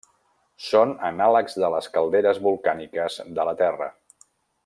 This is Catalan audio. Són anàlegs de les calderes volcàniques de la Terra.